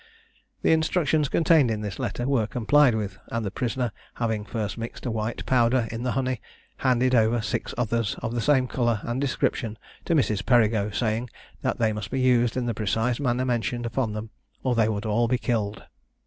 The instructions contained in this letter were complied with, and the prisoner having first mixed a white powder in the honey, handed over six others of the same colour and description to Mrs. Perigo, saying that they must be used in the precise manner mentioned upon them, or they would all be killed.